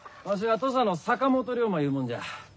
わしは土佐の坂本龍馬ゆうもんじゃ。